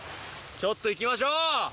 ちょっといきましょう！